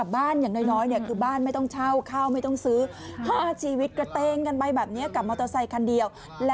บ้านอย่างน้อย